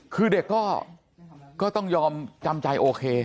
คือเด็กก็ต้องยอมจำใจโอเค